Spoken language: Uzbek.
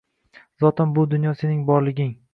Zotan bu dunyo sening borliging